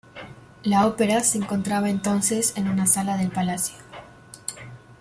La ópera se encontraba entonces en una sala del palacio.